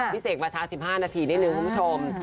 เสกมาช้า๑๕นาทีนิดนึงคุณผู้ชม